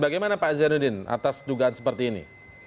bagaimana pak zainuddin atas dugaan seperti ini